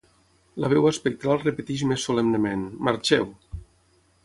La veu espectral repeteix més solemnement: "Marxeu!".